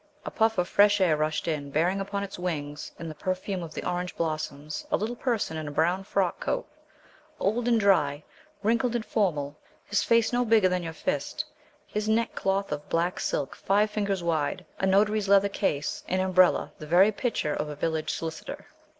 A puff of fresh air rushed in, bearing upon its wings, in the perfume of the orange blossoms, a little person in a brown frock coat, old and dry, wrinkled and formal, his face no bigger than your fist, his neckcloth of black silk five fingers wide, a notary's letter case, and umbrella the very picture of a village solicitor.